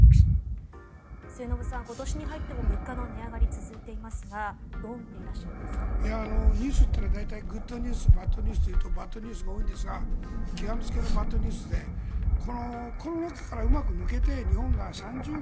末延さん、今年に入っても物価の値上がり、続いていますがニュースってのは大体グッドニュースバッドニュースというとバッドニュースが多いですが極め付けのバッドニュースでここからうまく抜けて日本が３０年